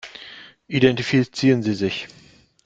Identifizieren Sie sich.